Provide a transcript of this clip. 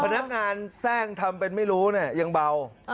พนักงานแทร่งทำเป็นไม่รู้เนี่ยยังเบา